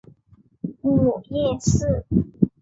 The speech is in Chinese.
母叶氏。